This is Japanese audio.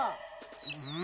うん！